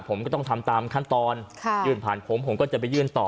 ผมก็ต้องทำตามขั้นตอนยื่นผ่านผมผมก็จะไปยื่นต่อ